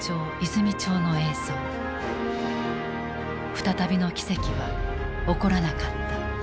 再びの奇跡は起こらなかった。